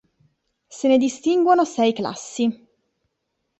Se ne distinguono sei classi.